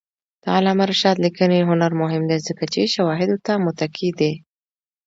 د علامه رشاد لیکنی هنر مهم دی ځکه چې شواهدو ته متکي دی.